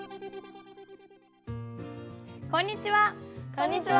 こんにちは。